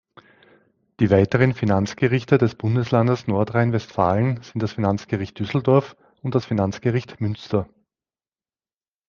Die weiteren Finanzgerichte des Bundeslandes Nordrhein-Westfalen sind das Finanzgericht Düsseldorf und das Finanzgericht Münster.